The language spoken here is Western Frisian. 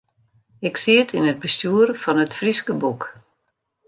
Ik siet yn it bestjoer fan It Fryske Boek.